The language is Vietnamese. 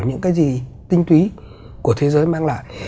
những cái gì tinh túy của thế giới mang lại